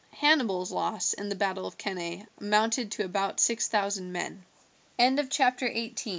Hannibal's loss in the battle of Cannae amounted to about six thousand men. CHAPTER XIX: IN THE MI